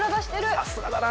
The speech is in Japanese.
さすがだな！